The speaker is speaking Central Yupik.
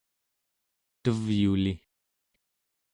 tevyuli